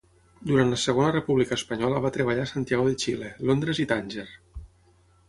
Durant la Segona República Espanyola va treballar a Santiago de Xile, Londres i Tànger.